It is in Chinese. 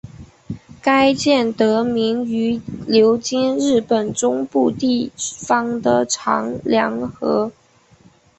该舰得名于流经日本中部地方的长良河。